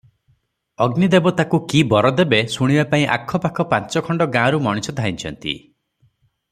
ଅଗ୍ନିଦେବ ତାକୁ କି ବର ଦେବେ ଶୁଣିବାପାଇଁ ଆଖ ପାଖ ପାଞ୍ଚ ଖଣ୍ଡ ଗାଁରୁ ମଣିଷ ଧାଇଁଛନ୍ତି ।